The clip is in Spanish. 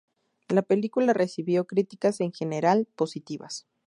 La película recibió críticas en general positivas.